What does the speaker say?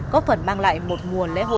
có phần mang lại một mùa lễ hội